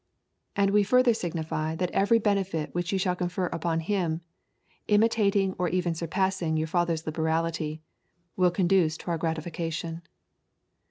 And we further signify that every benefit which you shall confer upon him, imitating or even surpassing your father's liberality, will conduce to our gratification."